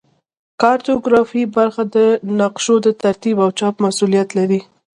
کارتوګرافي برخه د نقشو د ترتیب او چاپ مسوولیت لري